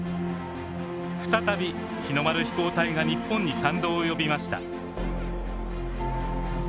再び日の丸飛行隊が日本に感動を呼びました。